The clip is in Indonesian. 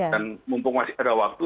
dan mumpung masih ada waktu